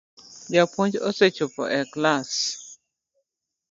Japuonj osechopo e klass